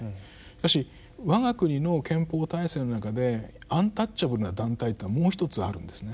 しかし我が国の憲法体制の中でアンタッチャブルな団体というのはもうひとつあるんですね。